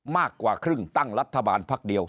มากกว่าครึ่งตั้งรัฐบาลพักเดียว